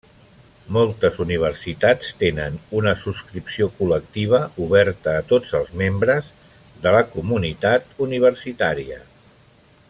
Moltes universitats tenen una subscripció col·lectiva oberta a tots els membres de la comunitat universitària.